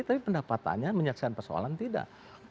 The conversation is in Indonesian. tapi pendapatannya menyaksikan persoalan tidak